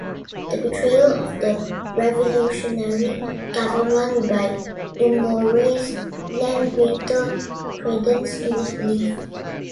The betrayal of the revolutionary government by Dumouriez lent greater credence to this belief.